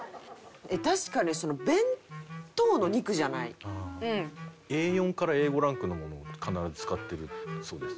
確かにＡ４からＡ５ランクのものを必ず使ってるそうです。